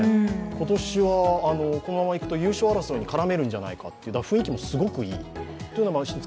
今年はこのままいくと優勝争いに絡めるんじゃないかと、雰囲気もすごくいい。